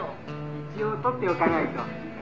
「一応撮っておかないと」